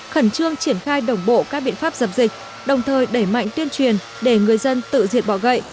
khẩn trương triển khai đồng bộ các biện pháp dập dịch đồng thời đẩy mạnh tuyên truyền để người dân tự diệt bỏ gậy